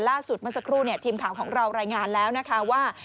ล่าสุดมันสักครู่เนี่ยทีมข่าวของเรารายงานแล้วนะคะว่า